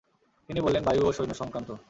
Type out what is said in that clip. তিনি বললেন, বায়ু ও সৈন্য সংক্রান্ত।